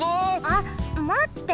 あっまって！